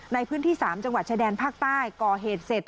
ในพื้นที่๓จังหวัดชายแดนภาคใต้ก่อเหตุเสร็จ